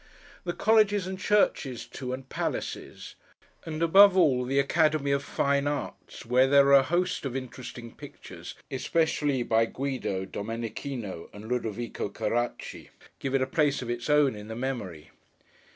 The colleges, and churches too, and palaces: and above all the academy of Fine Arts, where there are a host of interesting pictures, especially by GUIDO, DOMENICHINO, and LUDOVICO CARACCI: give it a place of its own in the memory.